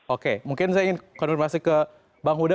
oke mungkin saya ingin konfirmasi ke bang huda